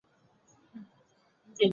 辛弃疾人。